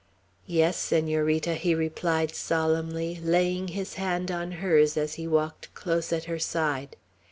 "Yes, Senorita," he replied solemnly, laying his hand on hers as he walked close at her side.